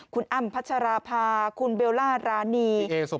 คุณอ้ำพระจรพาคุณเบลรานรานี